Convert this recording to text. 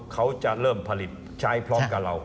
เขาจะเริ่มผลิตใช้พร้อมกับเรา